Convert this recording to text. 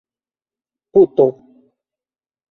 puto